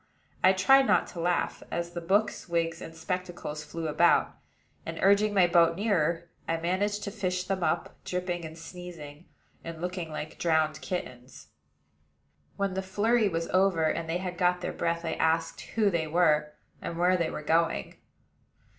I tried not to laugh, as the books, wigs, and spectacles flew about; and, urging my boat nearer, I managed to fish them up, dripping and sneezing, and looking like drowned kittens. When the flurry was over, and they had got their breath, I asked who they were, and where they were going.